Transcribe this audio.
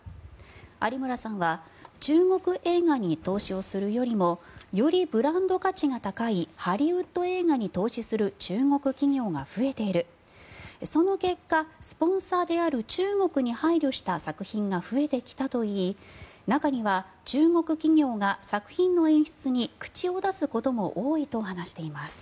有村さんは中国映画に投資をするよりもよりブランド価値が高いハリウッド映画に投資する中国企業が増えているその結果、スポンサーである中国に配慮した作品が増えてきたといい中には中国企業が作品の演出に口を出すことも多いと話しています。